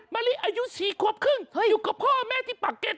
มะลิอายุ๔ควบครึ่งอยู่กับพ่อแม่ที่ปากเก็ต